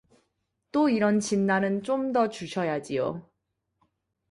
또 이런 진날은 좀 더 주셔야지요